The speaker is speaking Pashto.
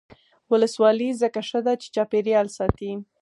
ولسواکي ځکه ښه ده چې چاپیریال ساتي.